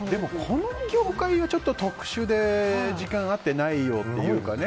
この業界はちょっと特殊で時間があってないようなもので。